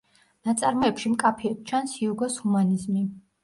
ნაწარმოებში მკაფიოდ ჩანს ჰიუგოს ჰუმანიზმი.